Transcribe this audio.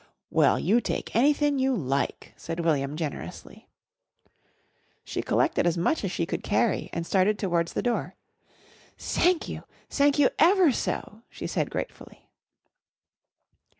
"Well, you take anythin' you like," said William generously. She collected as much as she could carry and started towards the door. "Sank you! Sank you ever so!" she said gratefully.